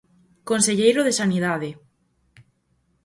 Conselleiro de Sanidade.